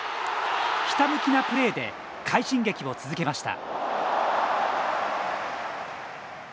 ひたむきなプレーで快進撃を続けました。